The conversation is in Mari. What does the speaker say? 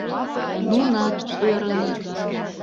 Нунат ӧрыныт.